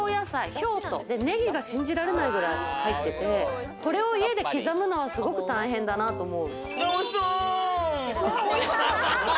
京都、ネギが信じられないくらい入ってて、これを家で刻むのはすごく大変だなと思う。